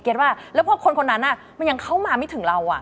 ว่าแล้วพอคนคนนั้นมันยังเข้ามาไม่ถึงเรา